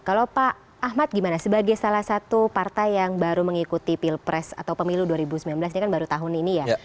kalau pak ahmad gimana sebagai salah satu partai yang baru mengikuti pilpres atau pemilu dua ribu sembilan belas ini kan baru tahun ini ya